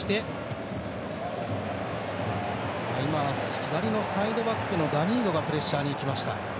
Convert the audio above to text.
左のサイドバックのダニーロがプレッシャーにいきました。